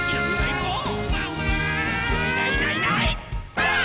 ばあっ！